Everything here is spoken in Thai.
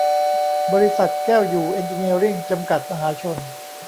บริษัท แก้วอยู่เอ็นจิเนียริ่ง จำกัด มหาชน